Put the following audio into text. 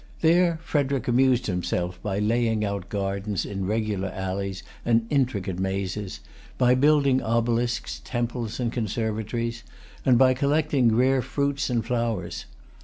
There Frederic amused himself by laying out gardens in regular alleys and intricate mazes, by building obelisks, temples, and conservatories, and by collecting rare fruits and flowers.